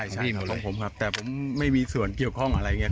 ใช่ครั้งผมแต่ผมไม่มีส่วนเกี่ยวข้องอะไรอย่างเนี่ย